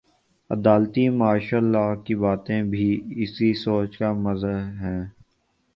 عدالتی martial law کی باتیں بھی اسی سوچ کا مظہر ہیں۔